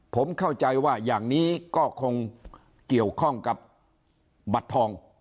ผมเข้าใจว่าอย่างนี้ก็คงเกี่ยวข้องกับบัตรทอง